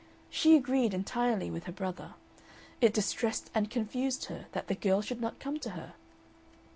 She agreed entirely with her brother. It distressed and confused her that the girl should not come to her.